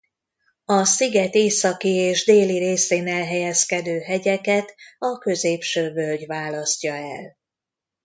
A sziget északi és déli részén elhelyezkedő hegyeket a középső völgy választja el.